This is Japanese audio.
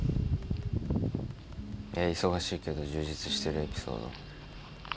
忙しいけど充実してるエピソード。